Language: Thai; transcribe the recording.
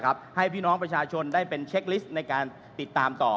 ให้พี่น้องประชาชนได้เป็นเช็คลิสต์ในการติดตามต่อ